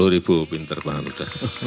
sepuluh ribu pinter banget